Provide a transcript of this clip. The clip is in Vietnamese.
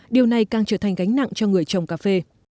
điều này càng trở thành gánh nặng cho người trồng cà phê